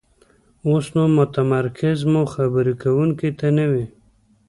اوسو نو تمرکز مو خبرې کوونکي ته نه وي،